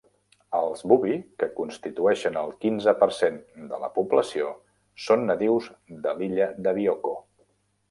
Els Bubi, que constitueixen el quinze per cent de la població, són nadius de l'illa de Bioko.